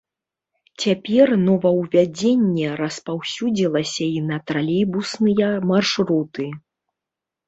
Цяпер новаўвядзенне распаўсюдзілася і на тралейбусныя маршруты.